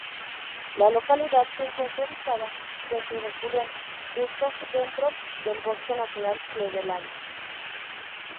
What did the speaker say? La localidad se encuentra ubicada dentro de Julian, justo dentro del Bosque Nacional Cleveland.